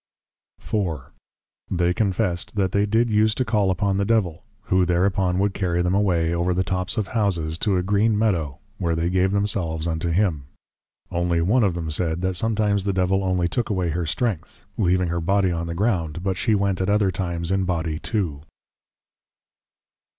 IV. They confessed, that they did use to \Call upon\ the \Devil\, who thereupon would \Carry\ them away, over the Tops of Houses, to a Green Meadow, where they gave themselves unto him. Only one of them said, That sometimes the Devil only took away her \Strength\, leaving her \Body\ on the ground; but she went at other times in \Body\ too.